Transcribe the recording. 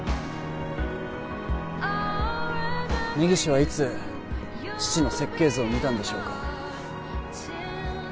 根岸はいつ父の設計図を見たんでしょうか？